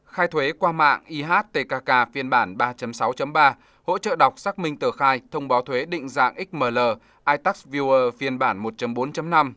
khai thuế qua mạng ihtk phiên bản ba sáu ba hỗ trợ đọc xác minh tờ khai thông báo thuế định dạng xml itax viler phiên bản một bốn năm